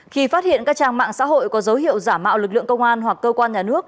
khi phát hiện các trang mạng xã hội có dấu hiệu giả mạo lực lượng công an hoặc cơ quan nhà nước